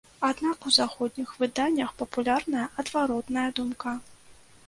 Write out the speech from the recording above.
Аднак у заходніх выданнях папулярная адваротная думка.